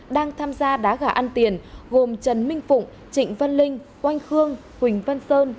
đang tham gia đá gà ăn tiền gồm trần minh phụng trịnh văn linh oanh khương huỳnh văn sơn